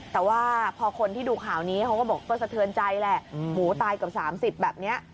แต่ว่าพอคนที่ดูข่าวนี้เขาก็บอกก็สะเทือนใจแหละหมูตายเกือบ๓๐แบบนี้